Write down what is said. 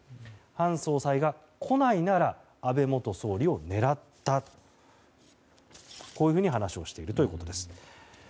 ハン総裁が来ないなら安倍元総理を狙ったこういうふうに話をしているということです。